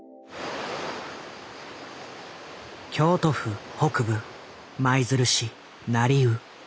京都府北部舞鶴市成生。